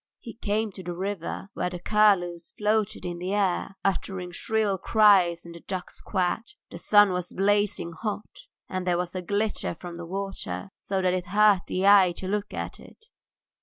He came to the river, where the curlews floated in the air uttering shrill cries and the ducks quacked. The sun was blazing hot, and there was a glitter from the water, so that it hurt the eyes to look at it.